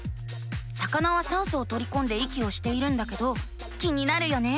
魚は酸素をとりこんで息をしているんだけど気になるよね。